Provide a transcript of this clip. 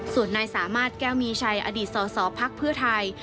ส่วนนายสามารถแก้วมีชัยอดีตสอสอภักดิ์เพื่อไทย